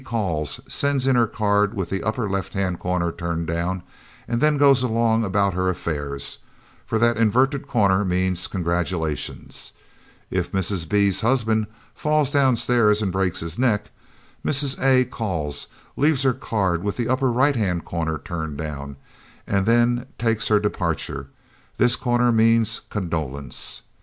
calls, sends in her card with the upper left hand corner turned down, and then goes along about her affairs for that inverted corner means "Congratulations." If Mrs. B.'s husband falls downstairs and breaks his neck, Mrs. A. calls, leaves her card with the upper right hand corner turned down, and then takes her departure; this corner means "Condolence."